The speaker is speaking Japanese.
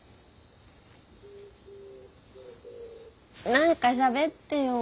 なんかしゃべってよ。